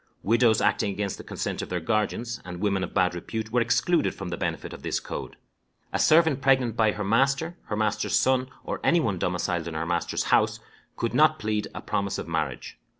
Widows acting against the consent of their guardians, and women of bad repute, were excluded from the benefit of this code. A servant pregnant by her master, her master's son, or any one domiciled in her master's house, could not plead a promise of marriage.